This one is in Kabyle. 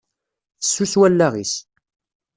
Fessus wallaɣ-is.